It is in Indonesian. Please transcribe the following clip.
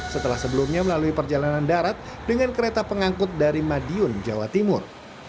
setelah sebelumnya melalui perjalanan darat dengan kereta pengangkut dari madiun jawa timur